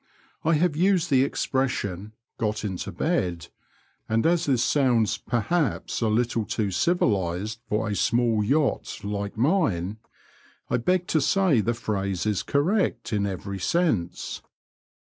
I have used the expression " got into bed," a>nd as this sounds perhaps a little too civilised for a small yacht like mine, I beg to say the phrase is correct in every sense.